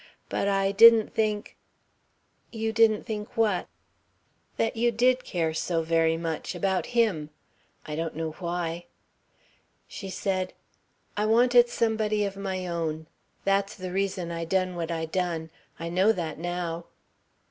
But I didn't think " "You didn't think what?" "That you did care so very much about him. I don't know why." She said: "I wanted somebody of my own. That's the reason I done what I done. I know that now."